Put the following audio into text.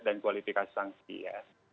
dan kualitas sangsi ya